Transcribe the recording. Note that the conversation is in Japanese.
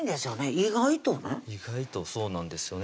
意外とね意外とそうなんですよね